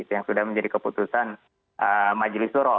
yang sudah menjadi keputusan majelis suro